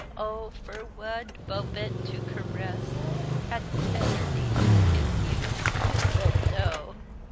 Oh! for wud bobedt to caress Add tederly to kiss you; Budt do!